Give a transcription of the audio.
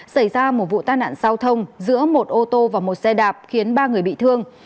xảy ra một vụ tai nạn giao thông giữa một ô tô và một xe đạp khiến ba người bị thương